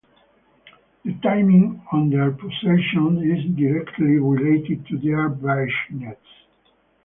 The timing of their pulsations is directly related to their brightness.